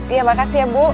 iya makasih ya bu